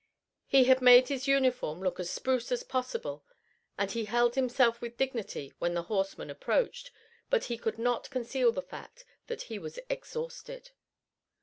He had made his uniform look as spruce as possible and he held himself with dignity when the horsemen approached, but he could not conceal the fact that he was exhausted.